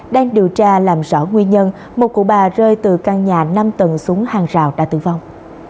đang điều tra làm rõ nguyên nhân một cụ bà rơi từ căn nhà năm tầng xuống hàng rào đã tử vong